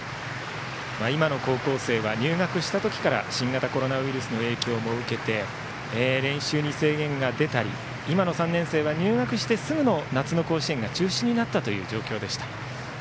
今の高校生は入学した時から新型コロナウイルスの影響も受け練習に制限が出たり今の３年生は入学してすぐの夏の甲子園が中止になった状況でした。